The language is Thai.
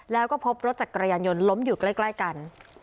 แล้วก็พบรถจักรยานยนต์ล้มอยู่ใกล้กัน